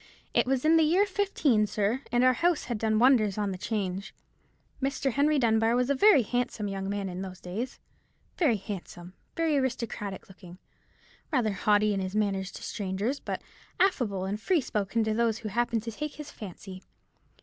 It was in the year '15, sir, and our house had done wonders on 'Change. Mr. Henry Dunbar was a very handsome young man in those days—very handsome, very aristocratic looking, rather haughty in his manners to strangers, but affable and free spoken to those who happened to take his fancy.